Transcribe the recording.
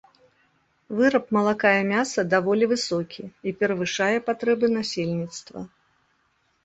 Выраб малака і мяса даволі высокі і перавышае патрэбы насельніцтва.